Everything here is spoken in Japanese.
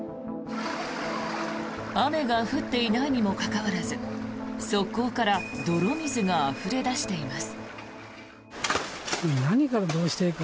雨が降っていないにもかかわらず側溝から泥水があふれ出しています。